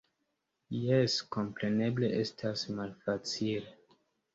Jes, kompreneble estas malfacile.